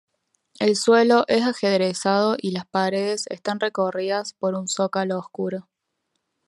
El suelo es ajedrezado y las paredes están recorridas por un zócalo oscuro.